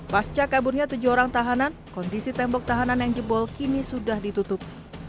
pasca kaburnya tujuh orang tahanan kondisi tembok tahanan yang jebol kini sudah ditutup